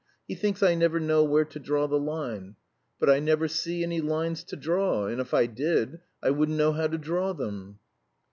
He thinks I never know where to draw the line. But I never see any lines to draw, and if I did, I wouldn't know how to draw them."